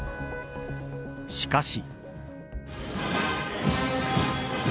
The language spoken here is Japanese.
しかし。